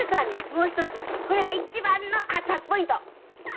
もう１つこれが一番のアツアツポイント。